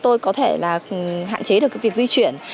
tôi có thể là hạn chế được cái việc di chuyển